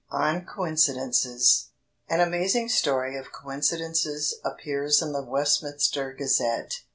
XIII ON COINCIDENCES An amazing story of coincidences appears in the Westminster Gazette.